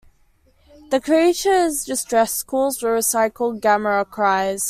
The creature's distress calls were recycled Gamera cries.